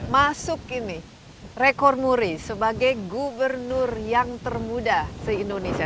masuk ini rekor muri sebagai gubernur yang termuda se indonesia